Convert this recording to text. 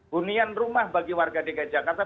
hunian rumah bagi warga dki jakarta